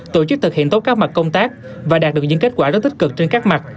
tổ chức thực hiện tốt các mặt công tác và đạt được những kết quả rất tích cực trên các mặt